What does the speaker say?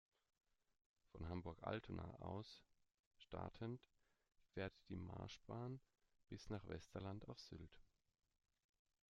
Von Hamburg-Altona aus startend fährt die Marschbahn bis nach Westerland auf Sylt.